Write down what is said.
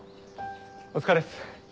お疲れっす。